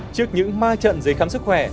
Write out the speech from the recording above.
trước những ma trận giấy khám sức khỏe